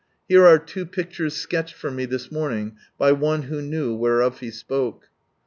Here are two pictures sketched for me this morning by one who knew whereof he spoke.